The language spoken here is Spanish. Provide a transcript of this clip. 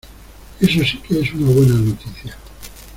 Eso sí que es una buena noticia.